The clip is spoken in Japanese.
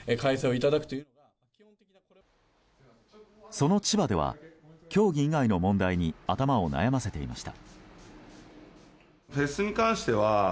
その千葉では競技以外の問題に頭を悩ませていました。